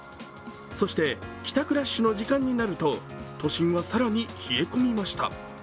そして、帰宅ラッシュの時間になると都心は更に冷え込みました。